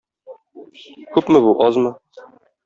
Күпме бу, азмы?